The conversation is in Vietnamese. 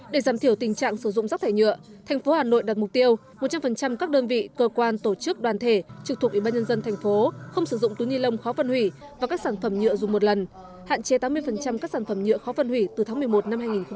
để giảm thiểu tình trạng sử dụng rác thải nhựa thành phố hà nội đặt mục tiêu một trăm linh các đơn vị cơ quan tổ chức đoàn thể trực thuộc ủy ban nhân dân thành phố không sử dụng túi ni lông khó phân hủy và các sản phẩm nhựa dùng một lần hạn chế tám mươi các sản phẩm nhựa khó phân hủy từ tháng một mươi một năm hai nghìn hai mươi